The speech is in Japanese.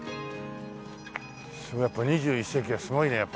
２１世紀はすごいねやっぱ。